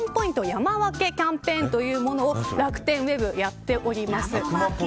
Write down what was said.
山分けキャンペーンということを楽天ウェブはやっております。